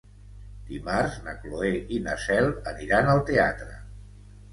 Dimarts na Cloè i na Cel aniran al teatre.